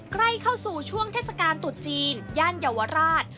ใกล้เข้าสู่ช่วงเทศกาลตุดจีนย่านเยาวราช